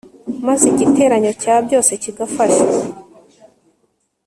maze igiteranyo cya byose kigafasha